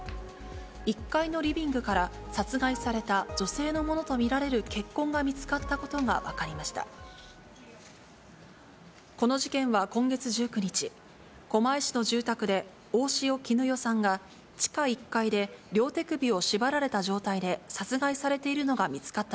１階のリビングから、殺害された女性のものと見られる血痕が見つかったことが分かりました。